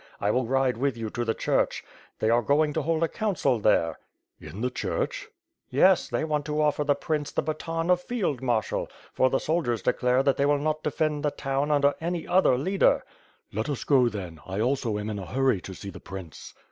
I will ride with you to the church. They are going to hold a council there." "In the church?" 5i6 WITH FIRE AND i^WORD, "Yes, they went to offer the prince the baton of field marshal; for the soldiers declare that they will not defend the town under any other leader." "Let us go, then, I also am in a hurry to see the prince."